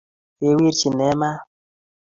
Kewirchi ne maat?